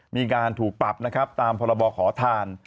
มีการถูกปรับนะครับตามพรบขอทาน